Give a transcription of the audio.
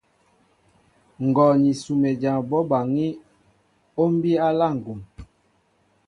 Ngɔ ni Sumedyaŋ bɔ́ baŋí , ó bíy á aláá ŋgum.